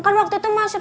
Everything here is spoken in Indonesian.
kan waktu itu mas rendy